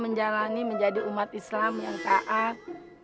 menjalani menjadi umat islam yang taat